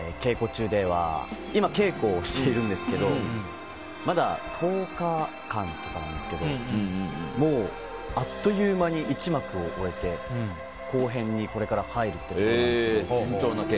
今、稽古をしているんですがまだ１０日間とかなんですけどあっという間に１幕を終えて後編にこれから入るところなんですが。